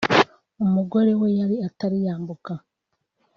umugore we yari atari yambuka